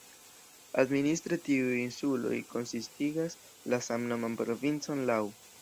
Administre tiuj insuloj konsistigas la samnoman provincon "Lau".